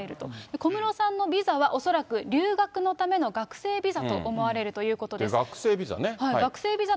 小室さんのビザは、恐らく留学のための学生ビザと思われるという学生ビザね。